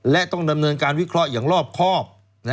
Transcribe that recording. และต้องดำเนินการวิเคราะห์อย่างรอบครอบ